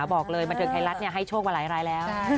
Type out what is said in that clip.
บอกเลยมาเถิดไทยรัฐให้โชคมาหลายแล้ว